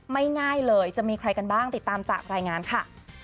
ง่ายเลยจะมีใครกันบ้างติดตามจากรายงานค่ะ